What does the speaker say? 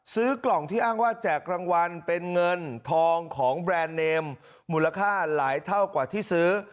ซื้อกล่องที่อ้างว่าแจกรางวัลเป็นเงินทองของแบรนด์เนมมูลค่าหลายเท่ากว่าที่ซื้อ